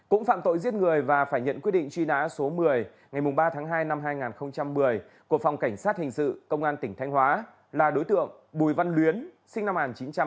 cũng phạm tội giết người và phải nhận quyết định truy nã số một mươi ngày ba tháng hai năm hai nghìn một mươi của phòng cảnh sát hình sự công an tỉnh thanh hóa là đối tượng bùi văn luyến sinh năm một nghìn chín trăm tám mươi